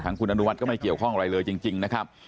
คุณอนุวัติก็ไม่เกี่ยวข้องอะไรเลยจริงนะครับ